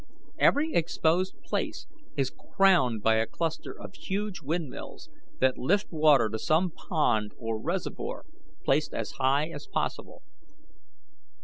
Every exposed place is crowned by a cluster of huge windmills that lift water to some pond or reservoir placed as high as possible.